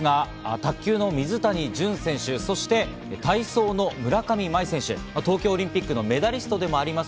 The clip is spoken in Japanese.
卓球の水谷隼選手、そして体操の村上茉愛選手、東京オリンピックのメダリストでもあります